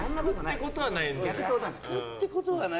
逆ってことはない。